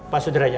pak sudir aja